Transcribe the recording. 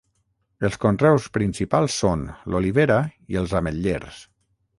Els conreus principals són l'olivera i els ametllers.